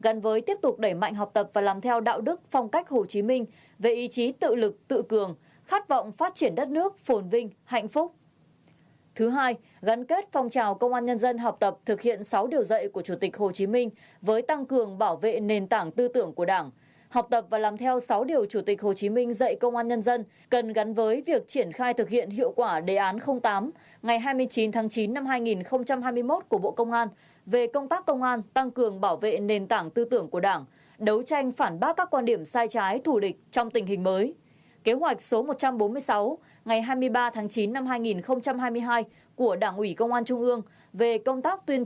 đổi mới nâng cao chất lượng phong trào công an nhân dân học tập thực hiện sáu điều dạy của chủ tịch hồ chí minh để luôn xứng đáng với danh dự và truyền thống của công an nhân dân việt nam anh hùng